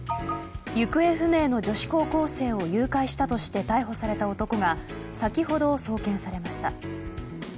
行方不明の女子高校生を誘拐したとして逮捕された男が先ほど送検されました。